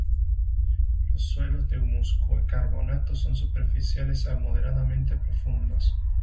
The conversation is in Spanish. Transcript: Los suelos de humus-carbonato son superficiales a moderadamente profundos.